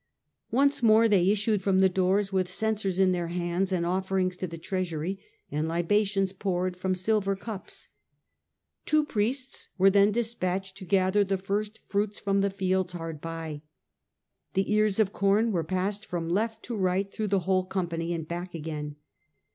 Once more they issued from the doors, with censers in their hands, and offerings to the treasury, and libations poured from silver cups. Two priests were then despatched to gather the firstfruits from the fields hard by. The ears of corn w ere passed from left to right through the whole company, and back again.